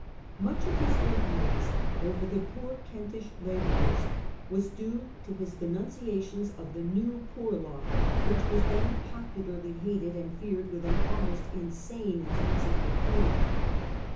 Much of his influence over the poor Kentish labourers was due to his denunciations of the new Poor Law, which was then popularly hated and feared with an almost insane intensity of feeling.